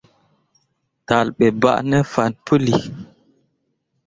Talle ɓe bah ne fah puli.